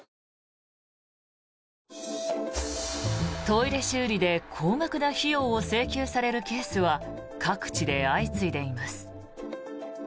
トイレ修理で高額な費用を請求されるケースは各地で相次いでいます。